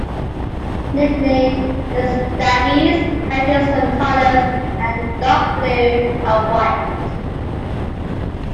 Nicknamed "The Staggies", County's home colours are dark blue and white.